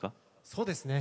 そうですね。